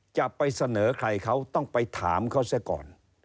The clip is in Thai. จะไปเสนอใครเขาต้องไปถามเขาเสียก่อน